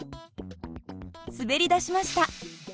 滑りだしました。